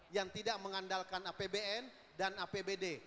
yang tidak mengandalkan apbn dan apbd